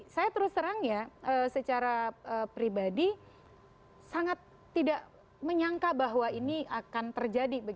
saya terus terang ya secara pribadi sangat tidak menyangka bahwa ini akan terjadi